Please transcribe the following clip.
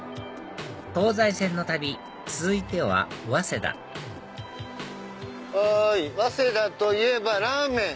東西線の旅続いては早稲田早稲田といえばラーメン！